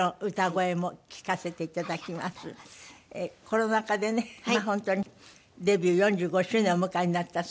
コロナ禍でねまあ本当にデビュー４５周年をお迎えになったそうで。